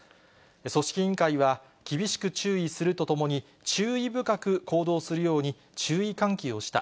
組織委員会は、厳しく注意するとともに、注意深く行動するように注意喚起をした。